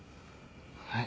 はい。